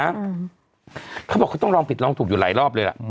เขาบอกเขาต้องลองผิดลองถูกอยู่หลายรอบเลยล่ะอืม